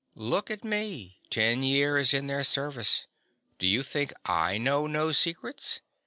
_) Look at me, ten years in their service. Do you think I know no secrets?